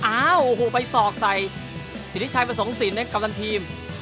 อ้าวโอ้โหไปศอกใส่สิทธิชัยประสงค์สินในกัปตันทีม